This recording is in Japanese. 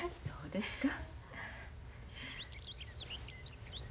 そうです。